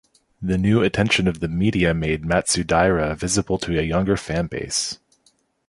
The new attention of the media made Matsudaira visible to a younger fanbase.